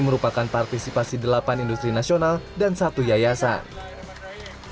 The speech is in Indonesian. merupakan partisipasi delapan industri nasional dan satu yayasan